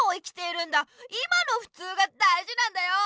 今のふつうがだいじなんだよ！